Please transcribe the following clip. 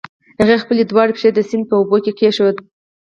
هغې خپلې دواړه پښې د سيند په اوبو کې کېښودې.